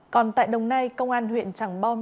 còn tại đồng nai công an huyện tràng bom